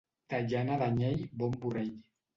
De llana d'anyell, bon burell.